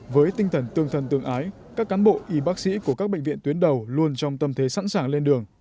với tinh thần tương thân tương ái các cán bộ y bác sĩ của các bệnh viện tuyến đầu luôn trong tâm thế sẵn sàng lên đường